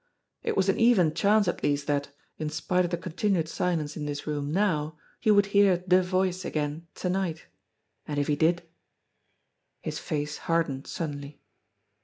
It was an even chance at least that, in spite of the continued silence in this room now, he would hear the voice again to night. And if he did His face hardened suddenly.